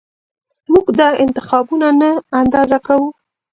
موږ دا انتخابونه نه اندازه کوو